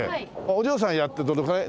お嬢さんやってどのくらい？